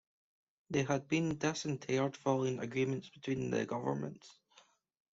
They had been dis-interred following agreement between the governments.